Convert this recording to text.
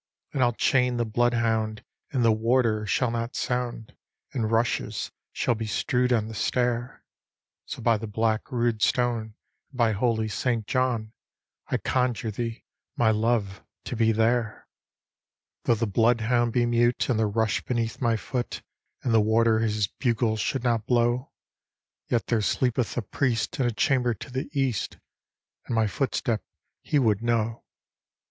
' And I'll chain the blood hound, and the warder shall not sound, And rushes shall be strew'd on the stair: So by the black rood stone, and by holy St. John, I conjure thee, my love, to be there! '"' Though the blood hound be mute and the rush beneath my foot, And the warder his bugle should not blow, Yet tlicrc slccpeth a ptiest in a chamber to the east. And my foot step he would know.'